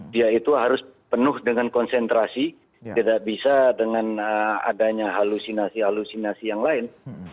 dia itu harus penuh dengan konsentrasi tidak bisa dengan adanya halusinasi halusinasi yang lain